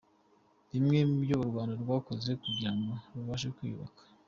Bimwe mu byo u Rwanda rwakoze kugira ngo rubashe kwiyubaka.